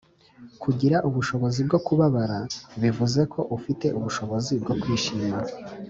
kugira ubushobozi bwo kubabara bivuze ko ufite ubushobozi bwo kwishima.